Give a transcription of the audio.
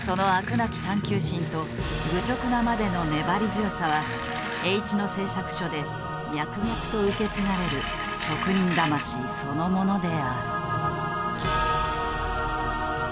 なき探究心と愚直なまでの粘り強さはＨ野製作所で脈々と受け継がれる職人魂そのものである。